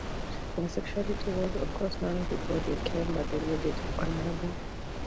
Homosexuality was, of course, known before they came, but they made it honorable.